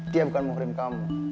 dia bukan muhrim kamu